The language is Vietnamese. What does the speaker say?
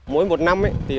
mỗi một năm